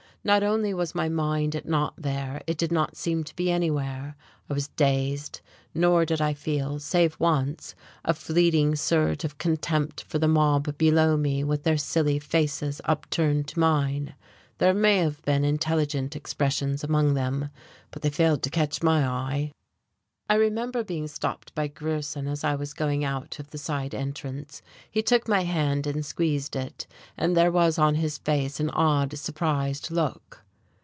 Not only was my mind not there; it did not seem to be anywhere. I was dazed, nor did I feel save once a fleeting surge of contempt for the mob below me with their silly faces upturned to mine. There may have been intelligent expressions among them, but they failed to catch my eye. I remember being stopped by Grierson as I was going out of the side entrance. He took my hand and squeezed it, and there was on his face an odd, surprised look.